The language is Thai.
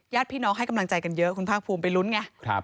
พี่น้องให้กำลังใจกันเยอะคุณภาคภูมิไปลุ้นไง